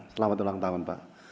selamat ulang tahun pak